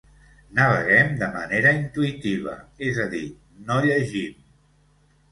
Naveguem de manera intuïtiva, és a dir, no «llegim».